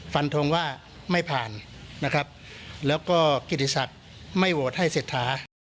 ฟันทงว่าไม่ผ่านนะครับแล้วก็กิติศักดิ์ไม่โหวตให้เศรษฐา